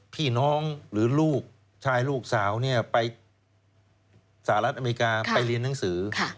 พี่น้องหรือลูกชายลูกสาวเนี่ยไปสหรัฐอเมริกาไปเรียนหนังสือ